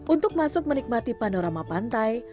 untuk masuk menikmati panorama pantai